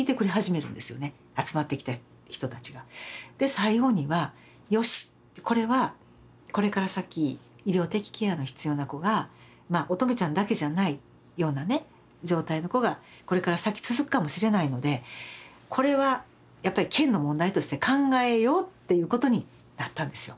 最後にはよしこれはこれから先医療的ケアの必要な子がまあ音十愛ちゃんだけじゃないようなね状態の子がこれから先続くかもしれないのでこれはやっぱり県の問題として考えようっていうことになったんですよ。